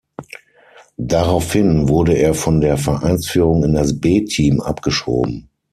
Daraufhin wurde er von der Vereinsführung in das B-Team abgeschoben.